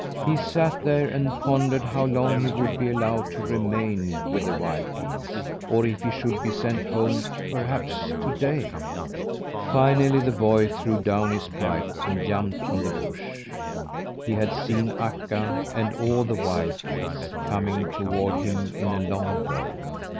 He sat there and pondered how long he would be allowed to remain with the wild geese; or if he should be sent home perhaps to day. Finally the boy threw down his pipe and jumped from the bush. He had seen Akka, and all the wild geese, coming toward him in a long row.